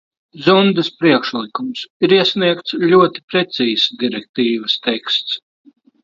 Zundas priekšlikums, ir iesniegts ļoti precīzs direktīvas teksts.